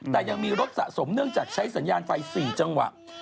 แต่ยังมีรถสะสมเนื่องจากใช้สัญญาณไฟ๔จังหวะ